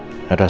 bener kata mama